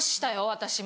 私も。